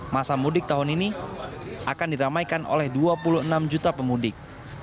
masa mudik tahun ini akan diramaikan oleh dua puluh enam juta pemudik